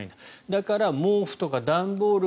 だから、毛布とか段ボール